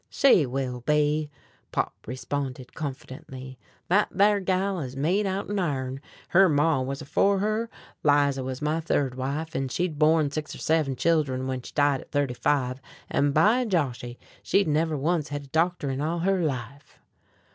"She will be!" Pop responded confidently. "That thar gal is made outen iron! Her maw was afore her. Liza wuz my third wife, an' she'd borned six or seven children, when she died at thirty five, an', by Joshuy, she'd never once hed a doctor in all her life!"